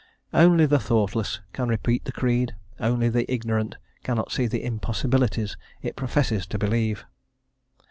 Only the thoughtless can repeat the creed; only the ignorant cannot see the impossibilities it professes to believe.